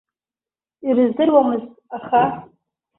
Ирыздыруамызт, аха.